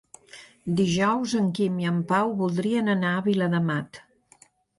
Dijous en Quim i en Pau voldrien anar a Viladamat.